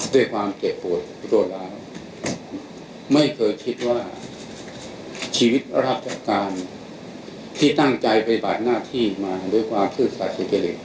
ด้วยความเก็บหวดขอโทษแล้วไม่เคยคิดว่าชีวิตรับจากการที่ตั้งใจไปบาดหน้าที่มาด้วยความคือสาธิตลิก